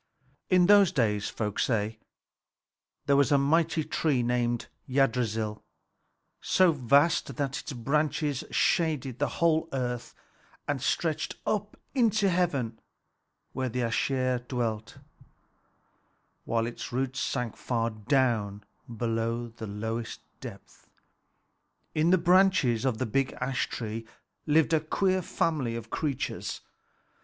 In those days, folk say, there was a mighty ash tree named Yggdrasil, so vast that its branches shaded the whole earth and stretched up into heaven where the Æsir dwelt, while its roots sank far down below the lowest depth. In the branches of the big ash tree lived a queer family of creatures.